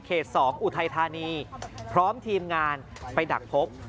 ๒อุทัยธานีพร้อมทีมงานไปดักพบ